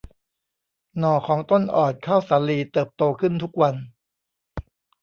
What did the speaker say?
หน่อของต้นอ่อนข้าวสาลีเติบโตขึ้นทุกวัน